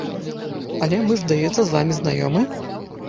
Але мы, здаецца, з вамі знаёмы?